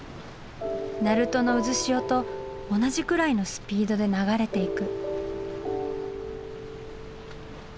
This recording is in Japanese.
鳴門の渦潮と同じくらいのスピードで流れていく。